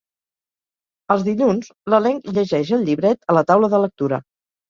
Els dilluns, l'elenc llegeix el llibret a la taula de lectura.